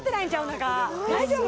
中大丈夫？